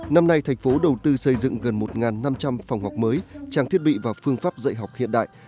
năm nay thành phố đầu tư xây dựng gần một năm trăm linh phòng học mới trang thiết bị và phương pháp dạy học hiện đại